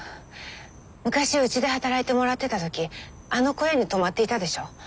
昔うちで働いてもらってた時あの小屋に泊まっていたでしょ。